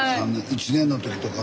１年の時とか。